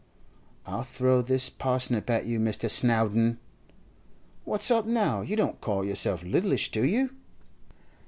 'I'll throw this parsnip at you, Mr. Snowdon!' 'What's up now. You don't call yourself littlish, do you?